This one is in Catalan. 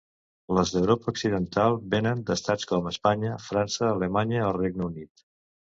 Les d'Europa Occidental vénen d'estats com Espanya, França, Alemanya o Regne Unit.